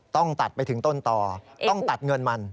ต้องตัดไปถึงต้นต่อต้องตัดเงินมัน